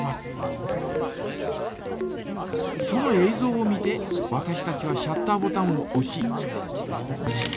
ぞうを見てわたしたちはシャッターボタンをおし。